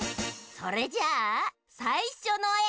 それじゃあさいしょのえ！